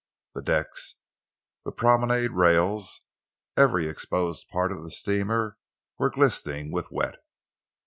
The decks, the promenade rails, every exposed part of the steamer, were glistening with wet.